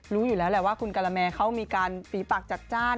รู้อยู่แล้วแหละว่าคุณการาแมเขามีการฝีปากจัดจ้าน